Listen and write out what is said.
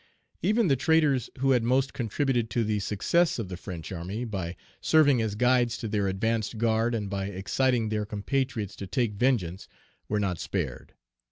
Even the traitors who had most contributed to the success of the French army, by serving as guides to their advanced guard, and by exciting their compatriots to take vengeance, were not spared.